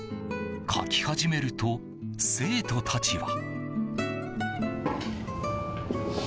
書き始めると生徒たちは。